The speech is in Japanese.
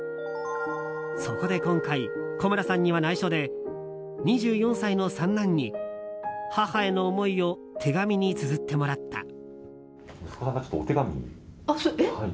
そこで今回、古村さんには内緒で２４歳の三男に母への思いを手紙につづってもらった。